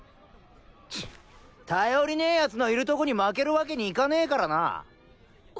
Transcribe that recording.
チッ頼りねぇヤツのいるとこに負けるわけにいかねぇからな。